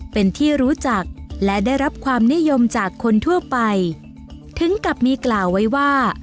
เป็นที่รู้จักและได้รับความนิยมจากคนทั่วไปถึงกับมีกล่าวไว้ว่า